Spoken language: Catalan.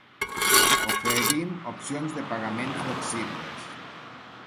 Oferim opcions de pagament flexibles.